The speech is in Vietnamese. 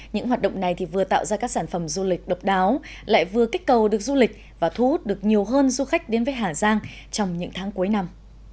những hoạt động này vừa tạo ra các sản phẩm du lịch độc đáo lại vừa kích cầu được du lịch và thu hút được nhiều hơn du khách đến với hà giang trong những tháng cuối năm